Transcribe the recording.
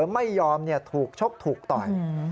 ไม่ยอมถูกชกถูกต่อย